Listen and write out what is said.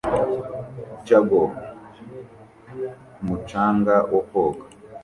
Juggler ku mucanga wo koga